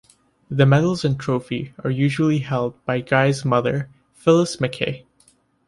The medals and trophy are usually held by Guy's mother Phyllis Mackay.